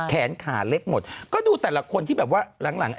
แขนขาเล็กหมดก็ดูแต่ละคนที่แบบว่าหลัง